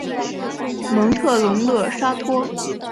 蒙特龙勒沙托。